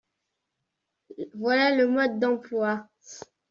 Voilà le mode d’emploi